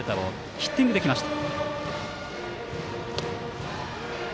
ヒッティングできました。